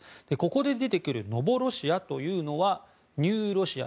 ここで出てくるノボロシアというのはニューロシア